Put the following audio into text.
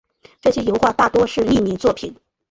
这些油画大多是匿名作品。